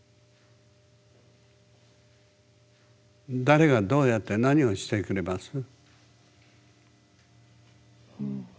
誰がどうやって何をしてくれます？